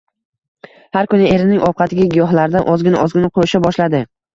Har kuni erining ovqatiga giyohlardan ozgina-ozgina qoʻsha boshladi…